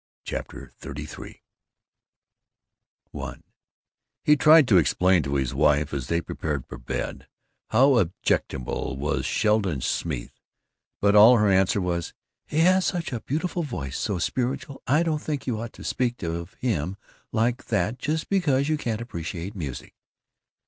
CHAPTER XXXIII I He tried to explain to his wife, as they prepared for bed, how objectionable was Sheldon Smeeth, but all her answer was, "He has such a beautiful voice so spiritual. I don't think you ought to speak of him like that just because you can't appreciate music!"